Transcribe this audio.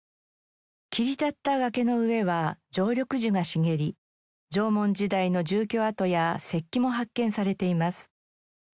切り立った崖の上は常緑樹が茂り縄文時代の住居跡や石器も発見されています。